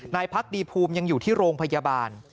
พักดีภูมิยังอยู่ที่โรงพยาบาล